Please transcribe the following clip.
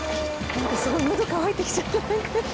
なんかすごいのど乾いてきちゃったなんか。